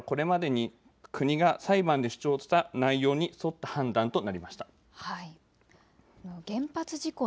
これらはこれまでに国が裁判で主張した内容に沿った判断となりました。